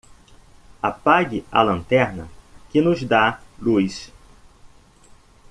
Apague a lanterna que nos dá luz.